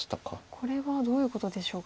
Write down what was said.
これはどういうことでしょうか。